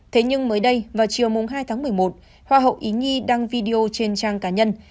thế nhưng mới đây vào chiều hai tháng một mươi một hoa hậu ý nhi đăng video trên trang cá nhân